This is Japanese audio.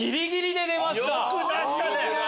よく出したね！